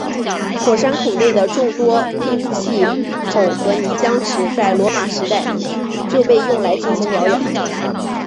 火山口内的众多喷气口和泥浆池在罗马时代就被用来进行疗养。